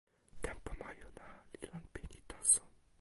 tenpo majuna li lon pini taso.